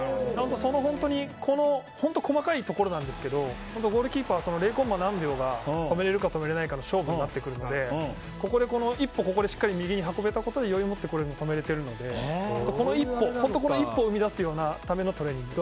本当に細かいところなんですけどゴールキーパーは０コンマ何秒が止められるか止められないかの勝負になってくるのでここで一歩しっかり右に運べたことで余裕をもって止められているので本当にこの一歩を生み出すためのトレーニングです。